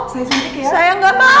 saya suntik ya